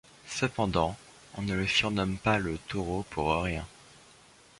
Cependant, on ne le surnomme pas Le taureau pour rien.